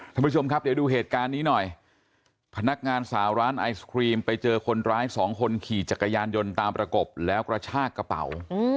ท่านผู้ชมครับเดี๋ยวดูเหตุการณ์นี้หน่อยพนักงานสาวร้านไอศครีมไปเจอคนร้ายสองคนขี่จักรยานยนต์ตามประกบแล้วกระชากกระเป๋า